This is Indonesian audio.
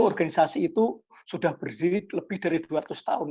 organisasi itu sudah berdiri lebih dari dua ratus tahun